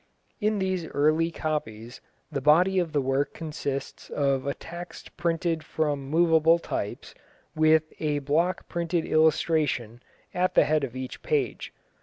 In these early copies the body of the work consists of a text printed from moveable types, with a block printed illustration at the head of each page.